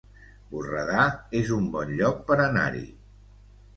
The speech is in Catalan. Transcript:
Borredà es un bon lloc per anar-hi